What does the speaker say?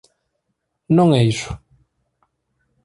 Non é iso.